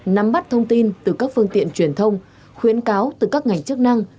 nắm bắt thông tin từ các phương tiện truyền thông khuyến cáo từ các ngành chức năng